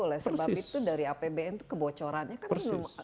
oleh sebab itu dari apbn kebocorannya